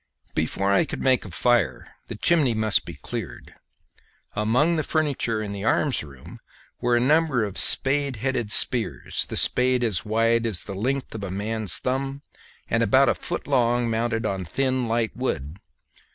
Before I could make a fire the chimney must be cleared. Among the furniture in the arms room were a number of spade headed spears; the spade as wide as the length of a man's thumb, and about a foot long, mounted on light thin wood.